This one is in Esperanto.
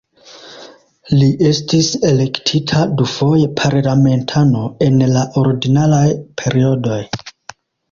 Li estis elektita dufoje parlamentano en la ordinaraj periodoj.